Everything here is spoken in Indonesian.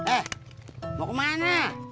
eh mau ke mana